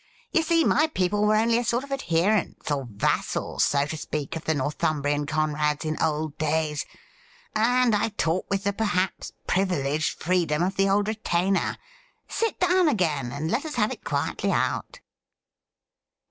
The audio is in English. You see, my people were only a sort of adherents or vassals, so to speak, of the Northumbrian Conrads in old days, and I talk with the perhaps privileged freedom of the old retainer. Sit down again, and let us have it quietly out.'